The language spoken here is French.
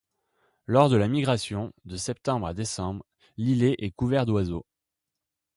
Lors de la migration, de septembre à décembre, l'îlet est couvert d'oiseaux.